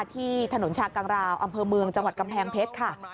ที่ถนนชากังราวอำเภอเมืองจังหวัดกำแพงเพชรค่ะ